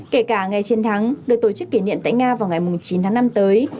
kể cả ngày chiến thắng được tổ chức kỷ niệm tại nga vào ngày chín tháng năm tới